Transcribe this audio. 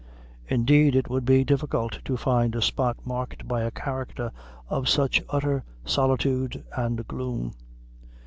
Indeed, it would be difficult to find a spot marked by a character of such utter solitude and gloom.